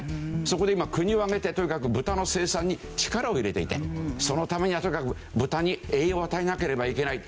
そこで今国を挙げてとにかく豚の生産に力を入れていてそのためにはとにかく豚に栄養を与えなければいけない。